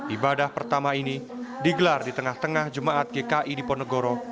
ibadah pertama ini digelar di tengah tengah jemaat gki di ponegoro